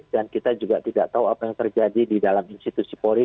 dan kita juga tidak tahu apa yang terjadi di dalam institusi polri